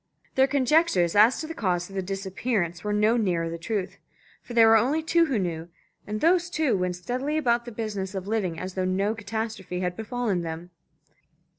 Their conjectures as to the cause of the disappearance were no nearer to the truth. For there were only two who knew, and those two went steadily about the business of living as though no catastrophe had befallen them.